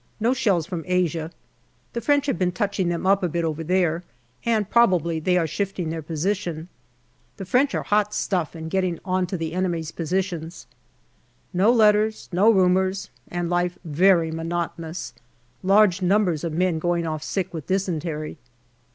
No shells from Asia. The French have been touching them up a bit over there, and probably they are shifting their position. The French are hot stuff in getting on to the enemy's positions. No letters, no rumours, and life very monotonous. Large numbers of men going off sick with dysentery.